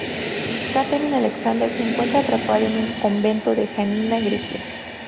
Catherine Alexander se encuentra atrapada en un convento de Janina, Grecia.